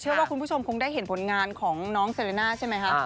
ว่าคุณผู้ชมคงได้เห็นผลงานของน้องเซริน่าใช่ไหมคะ